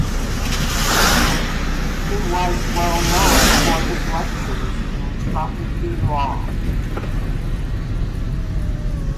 He was well known for his lectures in property law.